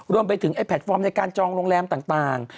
รวมไปถึงไอแพลตฟอร์มในการจองโรงแรมต่าง